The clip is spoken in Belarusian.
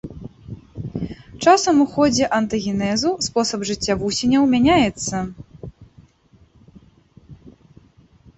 Часам у ходзе антагенезу спосаб жыцця вусеняў мяняецца.